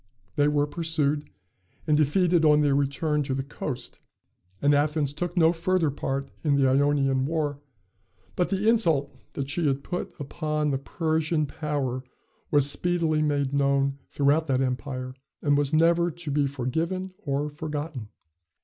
They were pursued, and defeated on their return to the coast, and Athens took no further part in the Ionian war; but the insult that she had put upon the Persian power was speedily made known throughout that empire, and was never to be forgiven or forgotten.